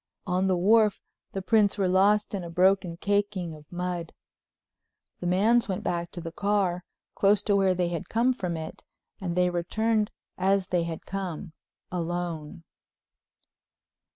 On the wharf the prints were lost in a broken caking of mud. The man's went back to the car, close to where they had come from it, and they returned as they had come—alone.